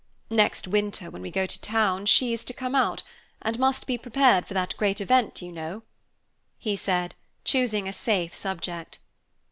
Next winter, when we go to town, she is to come out, and must be prepared for that great event, you know," he said, choosing a safe subject.